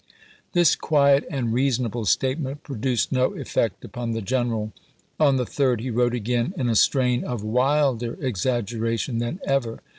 This quiet and reasonable statement produced no effect upon the general. On the 3d he wrote again in a strain of wilder exaggeration than ever.